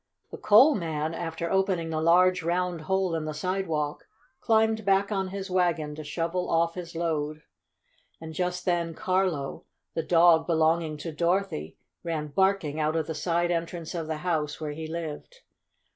The coal man, after opening the large, round hole in the sidewalk, climbed back on his wagon to shovel off his load. And just then Carlo, the dog belonging to Dorothy, ran barking out of the side entrance of the house where he lived.